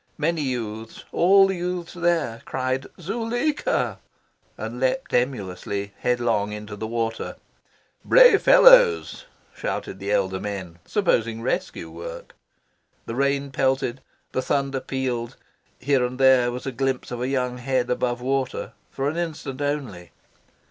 Many youths all the youths there cried "Zuleika!" and leapt emulously headlong into the water. "Brave fellows!" shouted the elder men, supposing rescue work. The rain pelted, the thunder pealed. Here and there was a glimpse of a young head above water for an instant only.